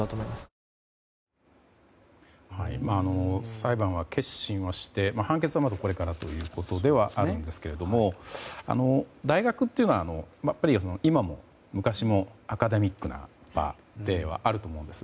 裁判は結審はして判決は、まだこれからということではありますが大学というのは今も昔もアカデミックな場ではあると思うんです。